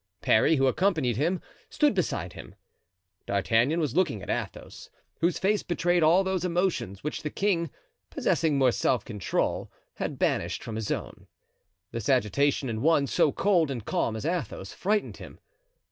Parry, who accompanied him, stood behind him. D'Artagnan was looking at Athos, whose face betrayed all those emotions which the king, possessing more self control, had banished from his own. This agitation in one so cold and calm as Athos, frightened him.